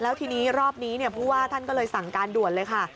แล้วทีนี้รอบนี้ผู้ว่าท่านก็เลยสั่งการด่วนเลยค่ะ